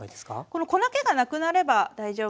この粉けがなくなれば大丈夫です。